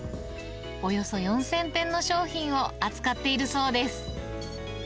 およそ４０００点の商品を扱っているそうです。